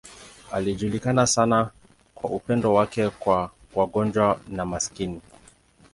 Alijulikana sana kwa upendo wake kwa wagonjwa na maskini.